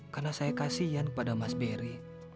karena saya kasian pada mas berry